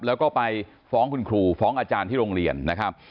แล้วก็ไปฟ้องคุณครูฟ้องอาจารย์ที่โรงเรียนนะครับ